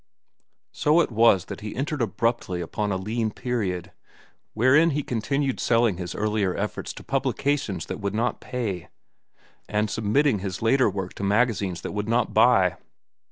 So it was that he entered abruptly upon a lean period, wherein he continued selling his earlier efforts to publications that would not pay and submitting his later work to magazines that would not buy.